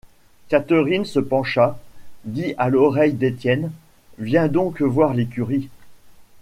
Catherine se pencha, dit à l’oreille d’Étienne: — Viens donc voir l’écurie.